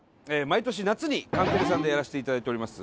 毎年夏にカンテレさんでやらせていただいております